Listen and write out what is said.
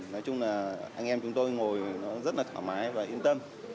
nói chung là anh em chúng tôi ngồi nó rất là thoải mái và yên tâm